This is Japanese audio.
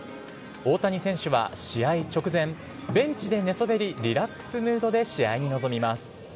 大谷選手は試合直前、ベンチで寝そべり、リラックスムードで試合に臨みます。